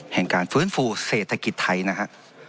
แห่งการฝึนฟึลเศรษฐกิจไทยนะฮะ